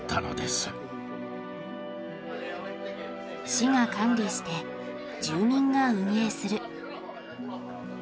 市が管理して住民が運営する。